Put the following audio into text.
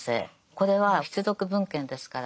これは必読文献ですから。